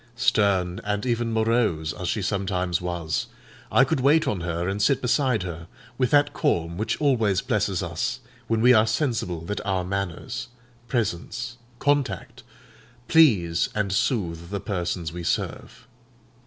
Stern and even morose as she sometimes was, I could wait on her and sit beside her with that calm which always blesses us when we are sensible that our manners, presence, contact, please and soothe the persons we serve.